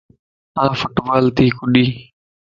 آن فٽبال تي ڪڏين